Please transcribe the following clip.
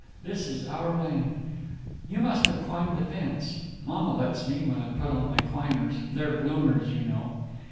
This is our land. You must have climbed the fence. Mamma lets me when I put on my climbers they're bloomers, you know.